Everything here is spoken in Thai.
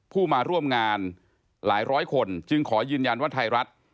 ผู้มาร่วมงานหลายร้อยคนจึงขอยืนยันว่าไทยรัฐ